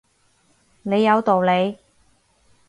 你有道理